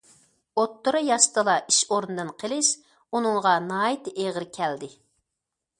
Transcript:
ئوتتۇرا ياشتىلا ئىش ئورنىدىن قېلىش ئۇنىڭغا ناھايىتى ئېغىر كەلدى.